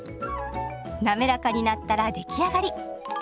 なめらかになったら出来上がり。